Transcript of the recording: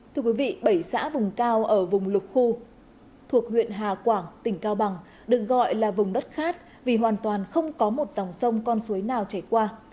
thưa quý vị bảy xã vùng cao ở vùng lục khu thuộc huyện hà quảng tỉnh cao bằng được gọi là vùng đất khát vì hoàn toàn không có một dòng sông con suối nào chảy qua